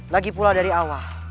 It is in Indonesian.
lagipula dari awal